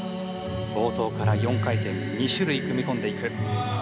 冒頭から４回転２種類組み込んでいく。